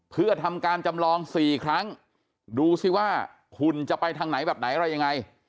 เพื่อทำการจำลอง๔ครั้งดูสิว่าหุ่นจะไปทางไหนแบบไหนอะไรยังไง